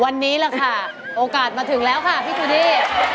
วันนี้แหละค่ะโอกาสมาถึงแล้วค่ะพี่ทูดี้